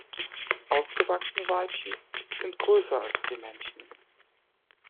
Ausgewachsene Weibchen sind größer als die Männchen.